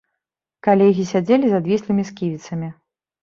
Калегі сядзелі з адвіслымі сківіцамі.